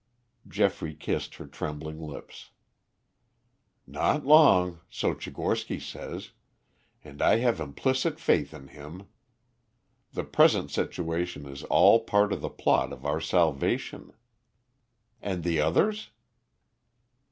Geoffrey kissed her trembling lips. "Not long, so Tchigorsky says, and I have implicit faith in him. The present situation is all part of the plot of our salvation. And the others?"